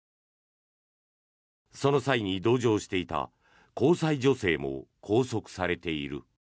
その際に同乗していた交際女性も拘束されている。